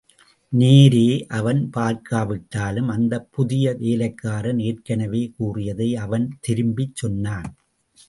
நேரே அவன் பார்க்காவிட்டாலும், அந்தப் புதிய வேலைக்காரன் ஏற்கெனவே கூறியதை அவன் திருப்பிச் சொன்னான்.